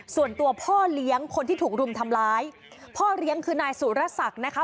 ส่วนตัวพ่อเลี้ยงคนที่ถูกรุมทำร้ายพ่อเลี้ยงคือนายสุรศักดิ์นะคะ